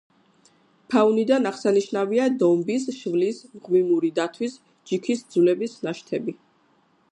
ფაუნიდან აღსანიშნავია დომბის, შვლის, მღვიმური დათვის, ჯიქის ძვლების ნაშთები.